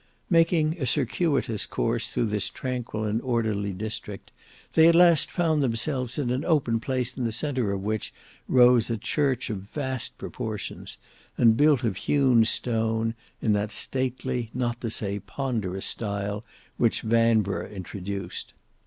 Making a circuitous course through this tranquil and orderly district, they at last found themselves in an open place in the centre of which rose a church of vast proportions, and built of hewn stone in that stately, not to say ponderous, style which Vanburgh introduced.